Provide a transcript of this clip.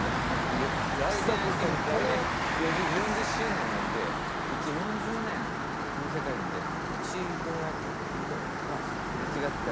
来年来年４０周年なので一応４０年この世界にいるので一度や二度はすれ違ったり。